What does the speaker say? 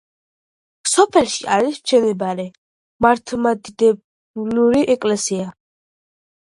სოფელში არის მშენებარე მართლმადიდებლური ეკლესია.